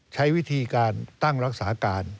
ใช้วิธีการตั้งรักษาการ